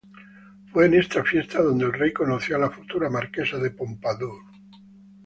Fue en esta fiesta donde el rey conoció a la futura marquesa de Pompadour.